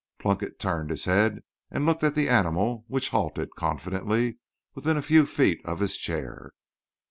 Plunkett turned his head and looked at the animal, which halted, confidently, within a few feet of his chair.